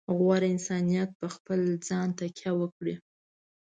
غوره انسانیت په خپل ځان تکیه وکړي.